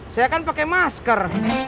saya kan pakai masker